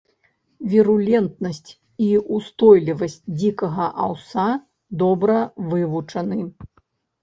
Вірулентнасць і ўстойлівасць дзікага аўса добра вывучаны.